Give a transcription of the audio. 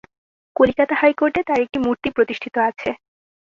কলিকাতা হাইকোর্টে তার একটি মুর্তি প্রতিষ্ঠিত আছে।